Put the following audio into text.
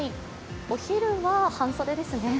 お昼は半袖ですね？